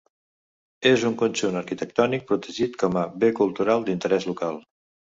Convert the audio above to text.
És un conjunt arquitectònic protegit com a Bé Cultural d'Interès Local.